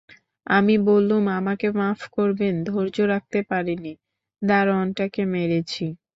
আমি বললুম, আমাকে মাপ করবেন, ধৈর্য রাখতে পারি নি, দারোয়ানটাকে মেরেছি।